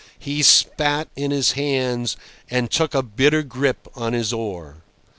He spat in his hands, and took a better grip on his oar.